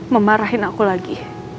memarahin aku lagi